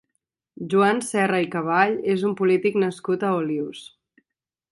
Joan Serra i Caball és un polític nascut a Olius.